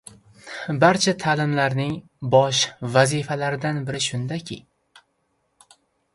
Barcha ta’limlarning bosh vazifalaridan biri shundaki